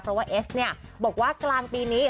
เพราะว่าเอสเนี่ยบอกว่ากลางปีนี้